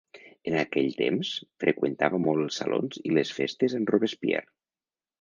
En aquell temps, freqüentava molt els salons i les festes amb Robespierre.